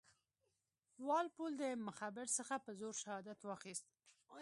وال پول د مخبر څخه په زور شهادت واخیست.